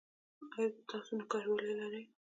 ایا تاسو نوکریوالي لرئ؟